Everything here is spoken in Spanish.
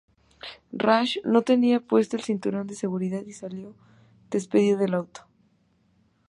Rasch no tenía puesto el cinturón de seguridad y salió despedido del auto.